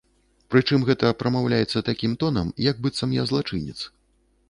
Прычым гэта прамаўляецца такім тонам, як быццам я злачынец.